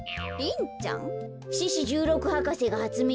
獅子じゅうろく博士がはつめいした